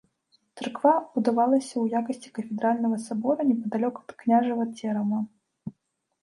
Царква будавалася ў якасці кафедральнага сабора непадалёк ад княжага церама.